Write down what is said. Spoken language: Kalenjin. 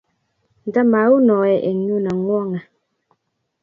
Nta maounoe eng yuno ngwonge.